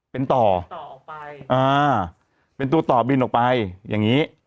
เป็นต่อเป็นตัวต่อบินออกไปอย่างนี้